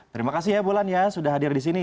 terima kasih ya bulan ya sudah hadir di sini